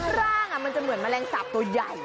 รูปร่างจะเหมือนแมลงสาบตัวใหญ่